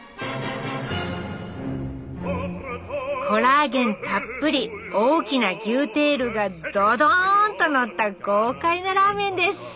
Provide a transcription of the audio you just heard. コラーゲンたっぷり大きな牛テールがドドーンとのった豪快なラーメンです